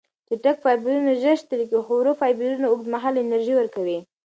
چټک فایبرونه ژر ستړې کېږي، خو ورو فایبرونه اوږدمهاله انرژي ورکوي.